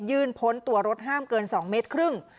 พ้นตัวรถห้ามเกิน๒เมตรครึ่ง